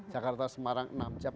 jakarta semarang enam jam